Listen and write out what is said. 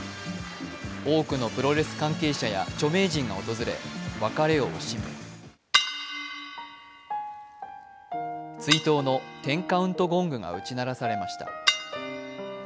多くのプロレス関係者や著名人が訪れ、別れを惜しみ追悼のテンカウントゴングが打ち鳴らされました。